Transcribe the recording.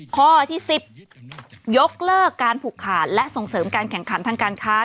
ข้อที่๑๐ยกเลิกการผูกขาดและส่งเสริมการแข่งขันทางการค้า